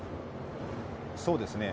そうですね。